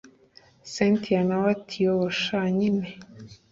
cyntia nawe ati yoooh sha nyine